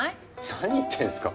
何言ってんすか？